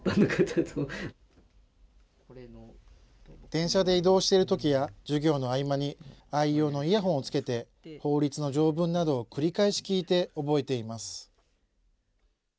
電車で移動しているときや、授業の合間に愛用のイヤホンをつけて、法律の条文などを繰り返し聞いて覚えています。